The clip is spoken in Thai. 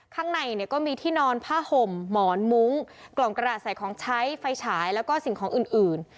ข้างในเนี่ยก็มีที่นอนผ้าห่มหมอนมุ้งกล่องกระดาษใส่ของใช้ไฟฉายแล้วก็สิ่งของอื่น